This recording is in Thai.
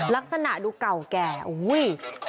ลักษณะดูเก่าแก่อุ้ย